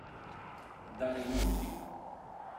Dare i numeri.